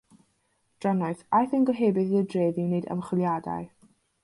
Drannoeth, aeth ein gohebydd i'r dref i wneud ymchwiliadau.